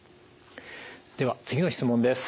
では次の質問です。